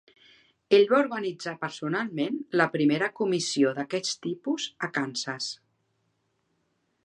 Ell va organitzar personalment la primera comissió d'aquest tipus, a Kansas.